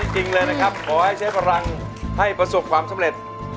ขอให้ใช้พลังให้ประสบความสำเร็จ